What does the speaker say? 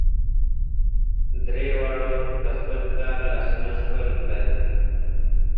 درې واړو د خپل پلار لاسونه ښکل کړل.